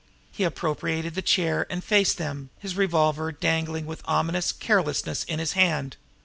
He appropriated the chair, and faced them, his revolver dangling with ominous carelessness in his hand.